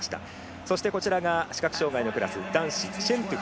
そしてこちらが視覚障がいのクラス男子、シェントゥフ。